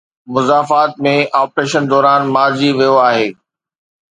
مضافات ۾ operation دوران مارجي ويو آهي.